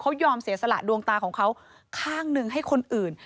เขายอมเสียสละดวงตาของเขาข้างหนึ่งให้คนอื่น